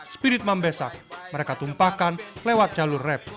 spirit membesak mereka tumpahkan lewat jalur rap